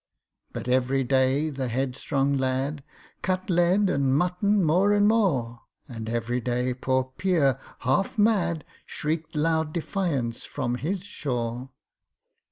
But every day the headstrong lad Cut lead and mutton more and more; And every day poor PIERRE, half mad, Shrieked loud defiance from his shore.